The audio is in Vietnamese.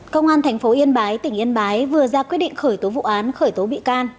công an tp hcm vừa ra quyết định khởi tố vụ án khởi tố bị can